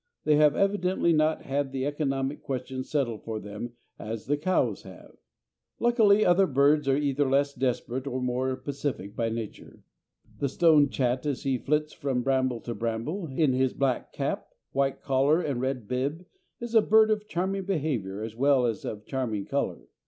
They have evidently not had the economic question settled for them as the cows have. Luckily, other birds are either less desperate or more pacific by nature. The stone chat as he flits from bramble to bramble in his black cap, white collar, and red bib is a bird of charming behaviour as well as of charming colour.